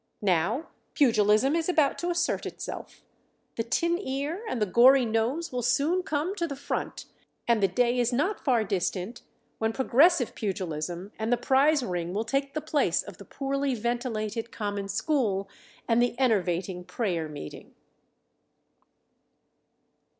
Now pugilism is about to assert itself. The tin ear and the gory nose will soon come to the front, and the day is not far distant when progressive pugilism and the prize ring will take the place of the poorly ventilated common school and the enervating prayer meeting.